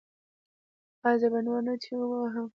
ایا زه به نور نه چیغې وهم؟